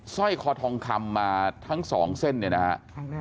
สร้อยคอทองคำมาทั้งสองเส้นเนี่ยนะฮะ